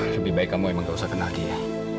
lebih baik kamu emang gak usah kenal dia